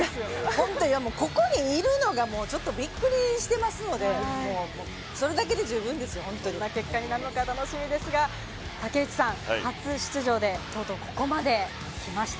本当、いや、もうここにいるのがもう、ちょっとびっくりしてますので、それだけで十分ですよ、どんな結果になるのか楽しみですが、武内さん、初出場で、とうとうここまで来ました。